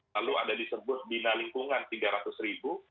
lalu ada disebut bina lingkungan tiga ratus ribu